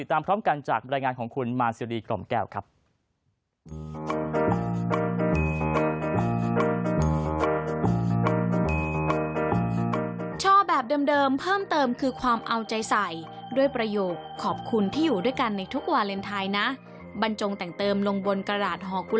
ตามพร้อมกันจากรายงานของคุณมาร์ซีรีส์กลมแก้วครับ